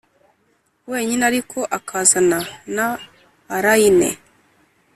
wenyine ariko akazana na allayne.